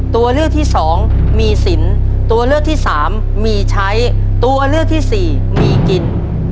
ตัวเลือกที่สองมีสินตัวเลือกที่สามมีใช้ตัวเลือกที่สี่มีกิน